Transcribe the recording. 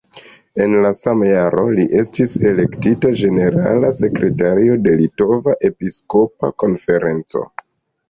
En la sama jaro li estis elektita ĝenerala sekretario de Litova Episkopa Konferenco.